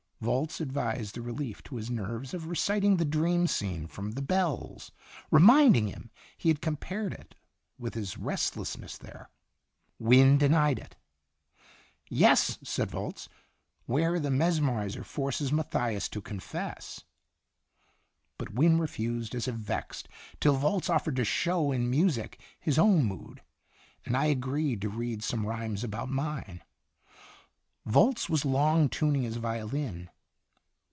Volz advised the relief to his nerves of reciting the dream scene from " The Bells," reminding him he had compared it with his restlessness there. Wynne denied it. "Yes," said Volz, "where the mesmerizer forces Matthias to confess." But Wynne refused, as if vexed, till Volz offered to show in music his own mood, and I Itinerant ijjouse. 15 agreed to read some rhymes about mine. Volz was long tuning his violin.